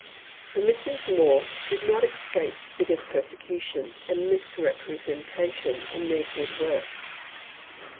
The Misses More did not escape bitter persecution and misrepresentation in their good work.